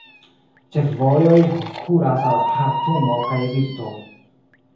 Ĉefvojoj kuras al Ĥartumo kaj Egipto.